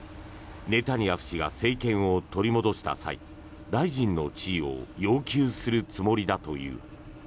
ネタニヤフ氏が政権を取り戻した際大臣の地位を要求するつもりだという。